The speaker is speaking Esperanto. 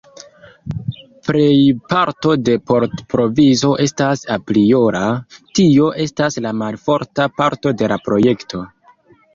Plejparto de vortprovizo estas apriora, tio estas la malforta parto de la projekto.